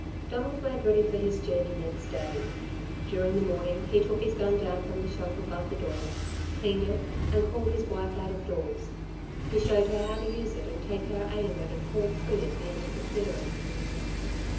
Donald made ready for his journey next day. During the morning he took his gun down from the shelf above the door, cleaned it, and called his wife out of doors. He showed her how to use it and made her take aim at a tall tree at the end of the clearing.